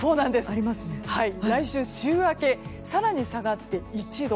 来週週明けは更に下がって１度。